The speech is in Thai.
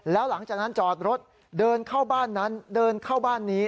แล้วหลังจากนั้นจอดรถเดินเข้าบ้านนั้นเดินเข้าบ้านนี้